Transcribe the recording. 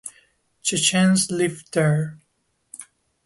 Chechens live there.